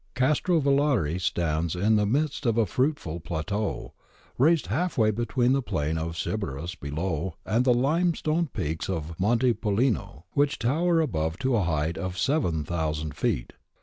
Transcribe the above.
Castrovillari stands in the midst of a fruitful plateau, raised half way between the plain of Sybaris below and the limestone peaks of the Monte Pollino, which tower above to a height of 7000 feet.